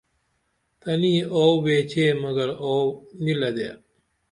تنی آو ویچے مگر آوو نی لدے